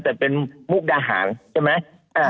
แต่เป็นมุกดาหารใช่ไหม